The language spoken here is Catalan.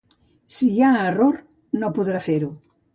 Si hi ha error, no podrà fer-ho.